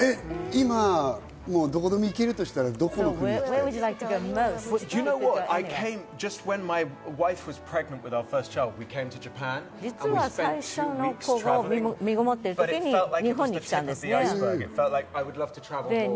今、どこでも行けるとしたら、どの国に行きたい？